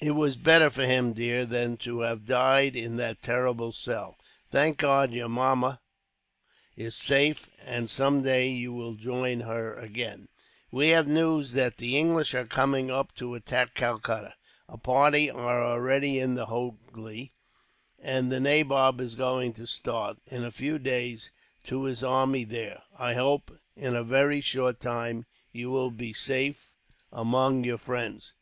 "It was better for him, dear, than to have died in that terrible cell. Thank God your mamma is safe, and some day you will join her again. "We have news that the English are coming up to attack Calcutta. A party are already in the Hoogly; and the nabob is going to start, in a few days, to his army there. I hope, in a very very short time, you will be safe among your friends."